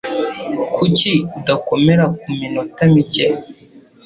Kuki udakomera kuminota mike?